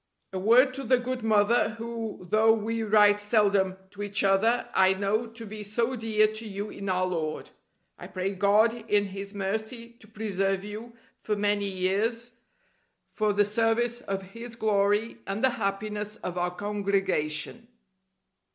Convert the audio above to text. A word to the good mother, who, though we write seldom to each other, I know to be so dear to you in Our Lord. I pray God in His mercy to preserve you for many years for the service of His glory and the happiness of our Congregation.